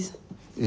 ええ。